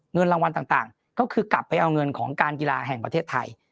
เงินรางวัลต่างก็คือกลับไปเอาเงินของการกีฬาแห่งประเทศไทย